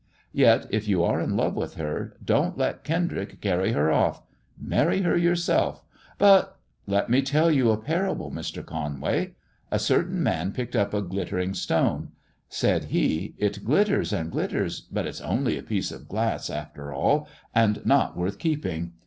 Yet, if you are in love with her, don't let Kendrick carry her off. Marry her yourself." But " "Let me tell you a parable, Mr. Conway. A certain man picked up a glittering stone. Said he, * It glitters and glitters, but it's only a piece of glass after all, and not worth keeping.'